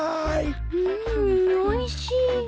うんおいしい。